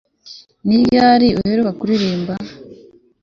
Ni ryari uheruka kuririmba